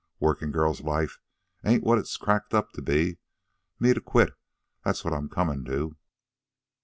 "Workin' girls' life ain't what it's cracked up. Me to quit that's what I'm comin' to."